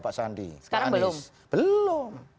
pak sandi sekarang belum belum